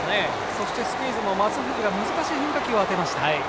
そしてスクイズも当てるのが難しい変化球を当てました。